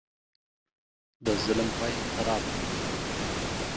د ظلم پاى خراب دى.